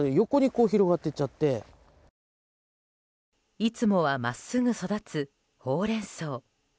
いつもは真っすぐ育つホウレンソウ。